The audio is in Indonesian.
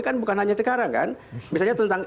kan bukan hanya sekarang kan misalnya tentang